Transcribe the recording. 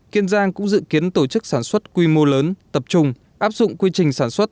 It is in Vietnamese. kiên giang cũng dự kiến tổ chức sản xuất quy mô lớn tập trung áp dụng quy trình sản xuất